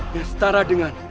yang setara dengan